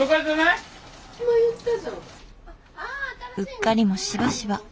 うっかりもしばしば。